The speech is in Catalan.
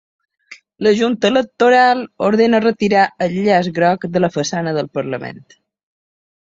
La junta electoral ordena retirar el llaç groc de la façana del parlament